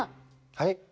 はい？